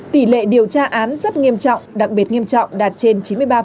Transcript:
tỷ lệ điều tra án rất nghiêm trọng đặc biệt nghiêm trọng đạt trên chín mươi ba